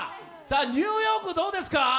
ニューヨークどうですか？